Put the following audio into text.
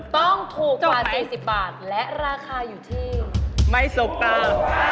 ต้องถูกกว่า๗๐บาทและราคาอยู่ที่ไม่สกตา